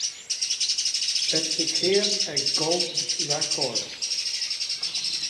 It became a gold record.